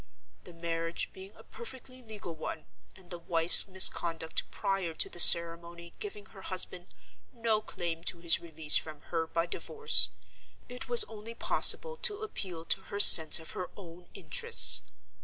The marriage being a perfectly legal one, and the wife's misconduct prior to the ceremony giving her husband no claim to his release from her by divorce, it was only possible to appeal to her sense of her own interests.